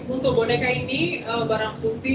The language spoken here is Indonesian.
untuk boneka ini barang bukti